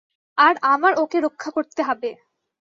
আর আমার ওকে রক্ষা করতে হবে।